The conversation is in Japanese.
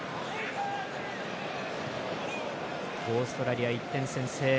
オーストラリア、１点先制。